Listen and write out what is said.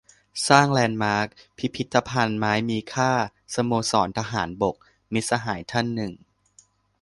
"สร้างแลนด์มาร์ค พิพิธภัณฑ์ไม้มีค่า สโมสรทหารบก" - มิตรสหายท่านหนึ่ง